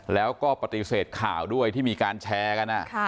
แล้วก็ปฏิเสธข่าวด้วยที่มีการแชร์กัน